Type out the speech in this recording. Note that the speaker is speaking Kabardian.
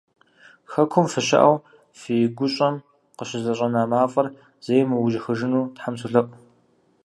Хэкум фыщыӏэу, фи гущӏэм къыщызэщӏэна мафӏэр зэи мыужьыхыжыну Тхьэм солъэӏу!